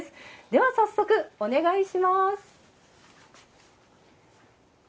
では早速、お願いします。